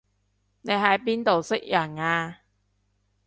你喺邊度識人啊